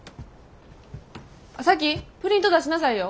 咲妃プリント出しなさいよ。